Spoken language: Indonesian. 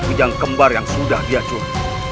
kejang kembar yang sudah diacur